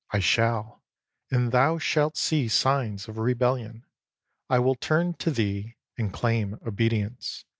I shall; and thou shalt see Signs of rebellion. I will turn to thee And claim obedience.